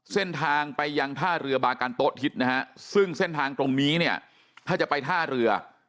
เส้นทางไปยังท่าเรือบากันโต๊ทิศนะฮะซึ่งเส้นทางตรงนี้เนี่ยถ้าจะไปท่าเรือ